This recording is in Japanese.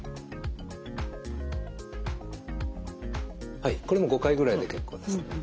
はいこれも５回ぐらいで結構です。